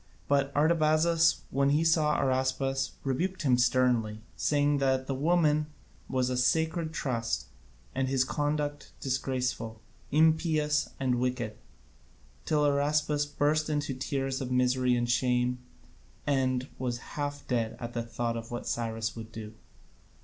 But Artabazus, when he saw Araspas, rebuked him sternly, saying that the woman was a sacred trust, and his conduct disgraceful, impious, and wicked, till Araspas burst into tears of misery and shame, and was half dead at the thought of what Cyrus would do.